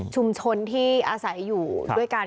ชุมชนที่อาศัยอยู่ด้วยกัน